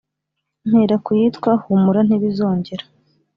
mpera ku yitwa "Humura ntibizongera"